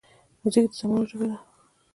موزیک د زمانو ژبه ده.